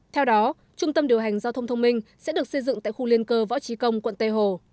theo đó trung tâm điều hành giao thông thông minh sẽ được xây dựng tại khu liên cơ võ trí công quận tây hồ